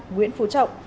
nguyễn phú trọng